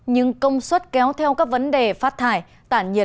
nhưng công suất kéo theo các vấn đề phát thải tản nhiệt